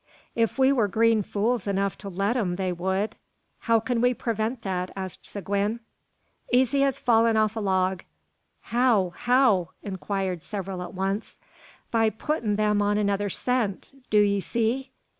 "If we were green fools enough to let 'em, they wud." "How can we prevent that?" asked Seguin. "Easy as fallin' off a log." "How? how?" inquired several at once. "By puttin' them on another scent, do 'ee see?"